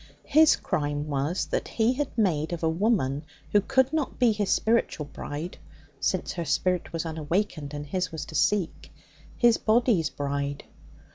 His crime was that he had made of a woman who could not be his spiritual bride (since her spirit was unawakened, and his was to seek) his body's bride.